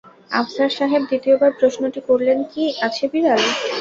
আফসার সাহেব দ্বিতীয় বার প্রশ্নটি করলেন, কী, আছে বিড়াল?